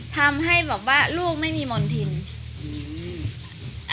ทำให้แบบว่าลูกไม่มีมณฑินอืม